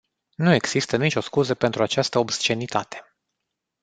Nu există nicio scuză pentru această obscenitate.